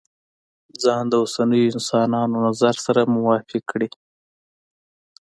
ځان د اوسنيو انسانانو نظر سره موافق کړي.